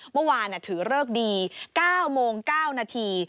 เมื่อวานถือเลิกดี๙โมง๙นาที